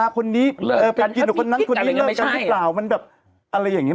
มันมีคลิกกับอะไรแบบเงี้ย